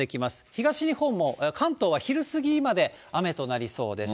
東日本も関東は昼過ぎまで雨となりそうです。